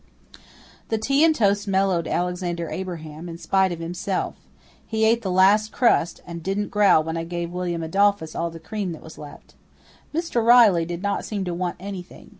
That tea and toast mellowed Alexander Abraham in spite of himself. He ate the last crust, and didn't growl when I gave William Adolphus all the cream that was left. Mr. Riley did not seem to want anything.